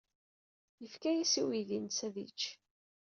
Yefka-as i uydi-nnes ad yečč.